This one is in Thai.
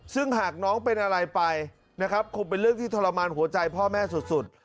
ซึ่งหากน้องเป็นอะไรไปนะครับคงเป็นเรื่องที่ทรมานหัวใจพ่อแม่สุด